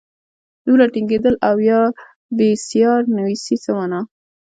دومره ټینګېدل او یا بېسیار نویسي څه مانا.